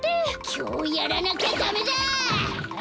きょうやらなきゃダメだ！